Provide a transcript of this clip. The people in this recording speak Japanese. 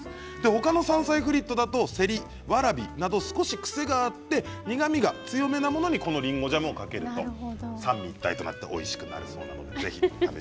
ほかの山菜フリットだとせり、わらびなど少し癖があって苦みが強めなものにこのりんごジャムをかけると三位一体となっておいしくなるそうです。